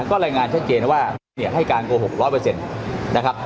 ก็รายงานชัดเจนว่าให้การโกหกร้อยเปอร์เซ็นต์นะครับ